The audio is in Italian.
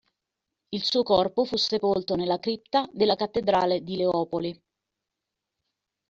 Il suo corpo fu sepolto nella cripta della cattedrale di Leopoli.